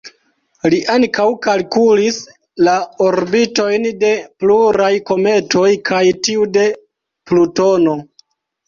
Li ankaŭ kalkulis la orbitojn de pluraj kometoj kaj tiu de Plutono.